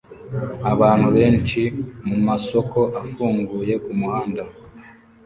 Abantu benshi mumasoko afunguye kumuhanda